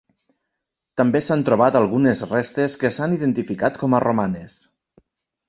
També s'han trobat algunes restes que s'han identificat com a romanes.